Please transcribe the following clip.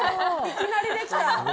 いきなりできた。